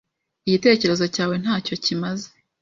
Igitekerezo cyawe ntacyo kimaze.